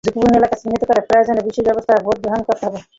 ঝুঁকিপূর্ণ এলাকা চিহ্নিত করে প্রয়োজনে বিশেষ ব্যবস্থায় ভোট গ্রহণ করতে হবে।